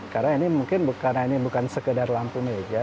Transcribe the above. karena ini mungkin bukan sekedar lampu meja